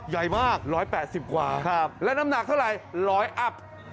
ใหญ่มากครับร้อยแปดสิบกว่าครับแล้วน้ำหนักเท่าไรร้อยอัพ